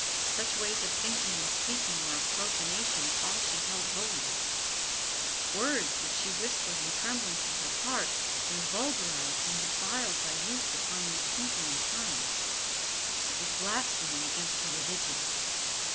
Such ways of thinking and speaking were a profanation of all she held holiest; words which she whispered in trembling to her heart were vulgarised and defiled by use upon these tinkling tongues; it was blasphemy against her religion.